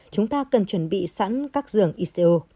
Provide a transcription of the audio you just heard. chúng ta cần chuẩn bị sẵn các dường ico